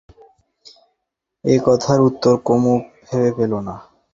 এ কথার উত্তর কুমু ভেবে পেলে না।